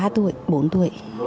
ba tuổi bốn tuổi